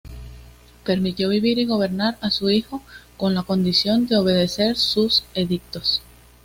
Permitió vivir y gobernar a su hijo con la condición de obedecer sus edictos.